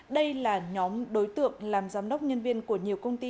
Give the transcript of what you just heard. đây là nhóm đối tượng làm giám đốc nhân viên của nhiều công ty